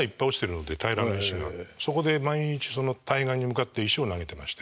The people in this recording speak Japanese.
そこで毎日対岸に向かって石を投げてまして。